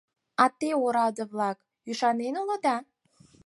А те, ораде-влак, ӱшанен улыда.